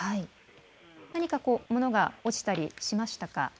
何か物が落ちたりしましたか。